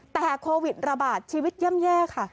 แต่โควิดระบาดชีวิตย่ำแย่ค่ะ